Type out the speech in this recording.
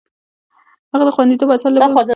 هغه د خوندیتوب اصل و، یعنې ریکورسو ډی امپارو و.